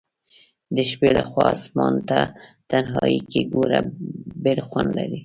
د شپي لخوا آسمان ته تنهائي کي ګوره بیل خوند لري